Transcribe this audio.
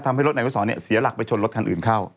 ทำให้รถนายอุทธศรเนี่ยเสียหลักไปชนรถขานอื่นเข้า